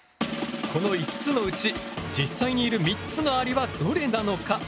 この５つのうち実際にいる３つのアリはどれなのか？